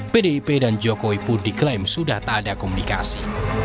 pdip dan jokowi pun diklaim sudah tak ada komunikasi